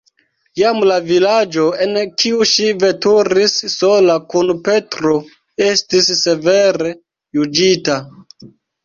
Jam la vojaĝo, en kiu ŝi veturis sola kun Petro, estis severe juĝita.